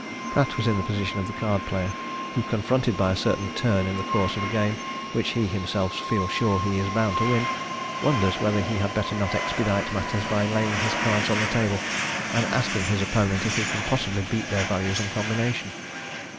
Pratt was in the position of the card player, who, confronted by a certain turn in the course of a game which he himself feels sure he is bound to win, wonders whether he had better not expedite matters by laying his cards on the table, and asking his opponent if he can possibly beat their values and combination.